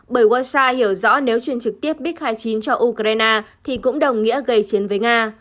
bởi hoa sa hiểu rõ nếu chuyển trực tiếp mig hai mươi chín cho ukraine thì cũng đồng nghĩa gây chiến với nga